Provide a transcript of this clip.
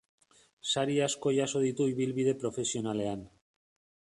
Sari asko jaso ditu ibilbide profesionalean.